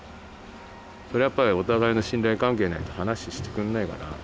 それはやっぱりお互いの信頼関係ないと話してくんないから。